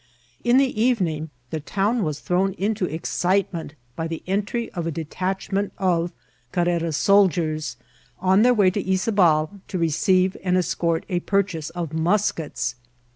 In the evening the town was thrown into excitement by the entry of a detadnnent of Carrera's soldiers, on their way to Yzabal to receive and escort a purchase of muskets.